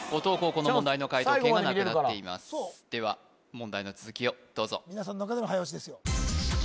この問題の解答権がなくなっていますでは問題の続きをどうぞ皆さんの中での早押しですよ